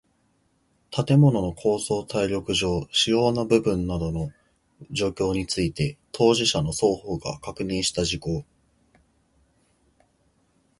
建物の構造耐力上主要な部分等の状況について当事者の双方が確認した事項